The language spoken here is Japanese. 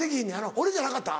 俺じゃなかった？